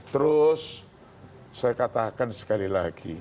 terus saya katakan sekali lagi